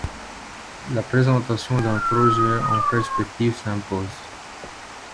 La présentation d’un projet en perspective s’impose.